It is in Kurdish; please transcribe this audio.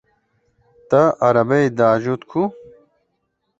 Te erebeyê diajot ku?